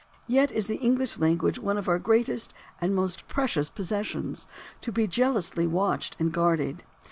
Yet is the English language one of our greatest and most pre cious possessions, to be jealously watched and guarded.